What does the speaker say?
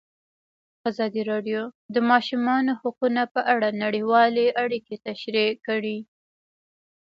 ازادي راډیو د د ماشومانو حقونه په اړه نړیوالې اړیکې تشریح کړي.